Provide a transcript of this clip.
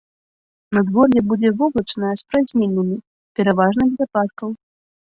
Надвор'е будзе воблачнае з праясненнямі, пераважна без ападкаў.